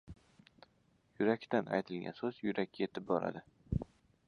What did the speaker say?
• Yurakdan aytilgan so‘z yurakka yetib boradi.